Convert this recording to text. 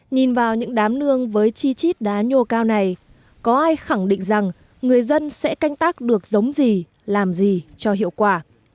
nhìn vào những đám nương với chi chít đá nhô cao này có ai khẳng định rằng người dân sẽ canh tác được giống gì làm gì cho hiệu quả